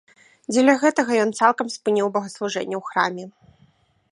Дзеля гэтага ён цалкам спыніў богаслужэнне ў храме.